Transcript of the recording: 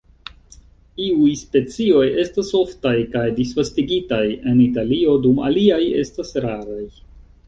Iuj specioj estas oftaj kaj disvastigitaj en Italio dum aliaj estas raraj.